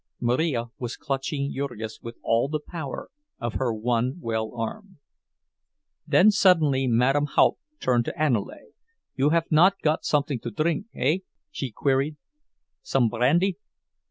Marija was clutching Jurgis with all the power of her one well arm. Then suddenly Madame Haupt turned to Aniele. "You haf not got something to drink, hey?" she queried. "Some brandy?"